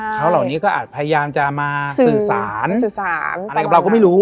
เขาเหล่านี้ก็อาจพยายามจะมาสื่อสารสื่อสารอะไรกับเราก็ไม่รู้